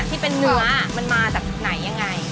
ที่เป็นเนื้อมันมาจากไหนยังไง